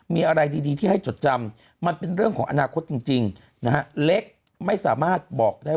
มีอะไรดีที่ให้จดจำมันเป็นเรื่องของอนาคตจริงนะฮะเล็กไม่สามารถบอกได้